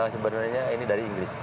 sebenarnya ini dari inggris